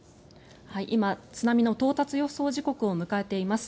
今、津波の到達予想時刻を迎えています。